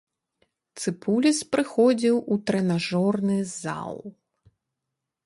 Цыпуліс прыходзіў у трэнажорны зал.